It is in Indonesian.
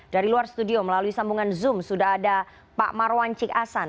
dari luar studio melalui sambungan zoom sudah ada pak marwan cikasan